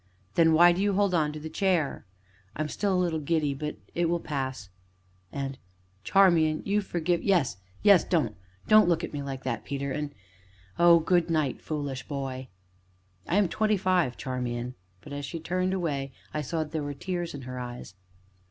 "Then why do you hold on to the chair?" "I am still a little giddy but it will pass." And "Charmian you forgive " "Yes yes, don't don't look at me like that, Peter and oh, good night! foolish boy!" "I am twenty five, Charmian!" But as she turned away I saw that there were tears in her eyes.